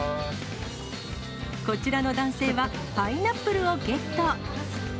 こちらの男性はパイナップルをゲット。